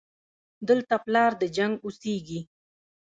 دلته پلار د جنګ اوسېږي